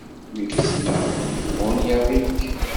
Mi k-ssneɣ, wi ibɣun yaɣ-ik!